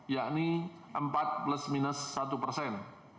yakni empat plus minus satu persen